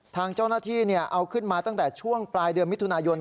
ทางเจ้าหน้าที่เอาขึ้นมาตั้งแต่ช่วงปลายเดือนมิถุนายน